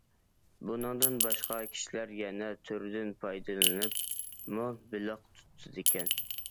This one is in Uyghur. بۇنىڭدىن باشقا، كىشىلەر يەنە توردىن پايدىلىنىپمۇ بېلىق تۇتىدىكەن.